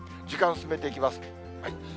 時間進めていきます。